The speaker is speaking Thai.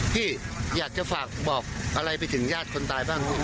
พี่อยากจะฝากบอกอะไรไปถึงญาติคนตายบ้าง